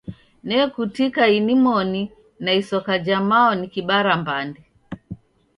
Nekutika inmoni na isoka ja mao nikibara mbande